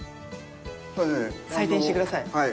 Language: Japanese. これね。採点してください。